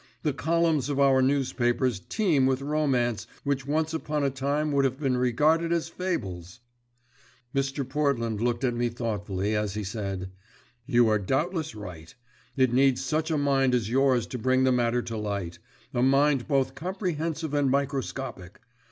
The columns of our newspapers teem with romance which once upon a time would have been regarded as fables." Mr. Portland looked at me thoughtfully as he said, "You are doubtless right. It needs such a mind as yours to bring the matter to light a mind both comprehensive and microscopic.